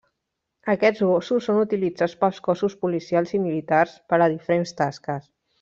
Aquests gossos són utilitzats pels cossos policials i militars per a diferents tasques.